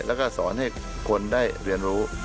แล้วก็สอนให้คนได้เรียนรู้